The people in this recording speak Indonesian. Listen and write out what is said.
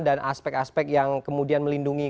dan aspek aspek yang kemudian melindungi